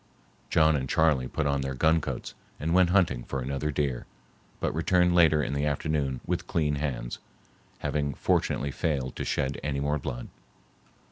John and Charley put on their gun coats and went hunting for another deer, but returned later in the afternoon with clean hands, having fortunately failed to shed any more blood.